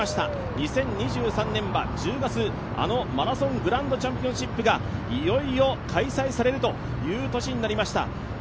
２０２３年は１０月、あのマラソングランドチャンピオンシップがいよいよ開催されるという年になりました。